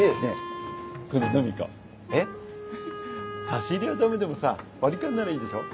差し入れはダメでもさ割り勘ならいいでしょ？